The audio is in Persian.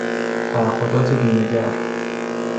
تعهدات بیمه گر